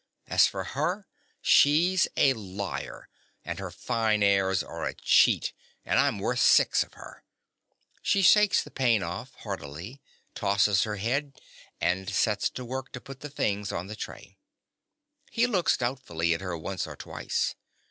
As for her, she's a liar; and her fine airs are a cheat; and I'm worth six of her. (_She shakes the pain off hardily; tosses her head; and sets to work to put the things on the tray. He looks doubtfully at her once or twice.